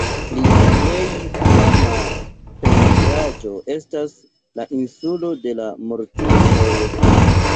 Lia plej fama pentraĵo estas "La Insulo de la Mortintoj".